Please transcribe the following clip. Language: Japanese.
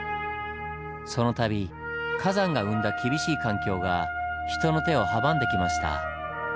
その度火山が生んだ厳しい環境が人の手を阻んできました。